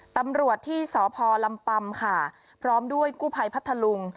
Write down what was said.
ตำรวจที่สพลำปำค่ะพร้อมด้วยกู้ภัยพัทธลุง